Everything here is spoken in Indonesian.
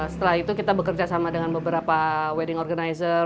setelah itu kita bekerja sama dengan beberapa wedding organizer